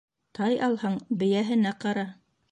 Тай алһаң, бейәһенә ҡара.